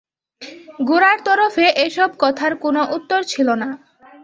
গোরার তরফে এ-সব কথার কোনো উত্তর ছিল না।